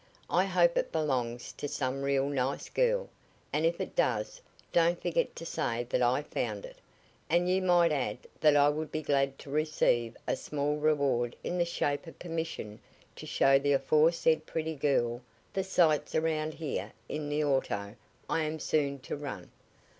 I hope it belongs to some real nice girl, and if it does, don't forget to say that I found it. And you might add that I would be glad to receive a small reward in the shape of permission to show the aforesaid pretty girl the sights around here in the auto I am soon to run."